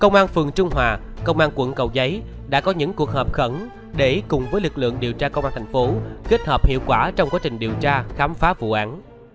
công an phường trung hòa công an quận cầu gấy đã có những hợp khẩn để cùng lực lượng điều tra công an thành phố kết hợp hiệu quả trong quá trình điều tra khám phá vụ án